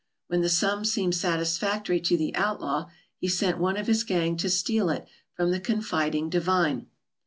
When the sum seemed satis factory to the outlaw, he sent one of his gang to steal it from the confiding divine.